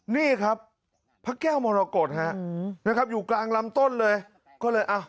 นี่ครับพระแก้วมรกฏฮะนะครับอยู่กลางลำต้นเลยก็เลยอ่ะ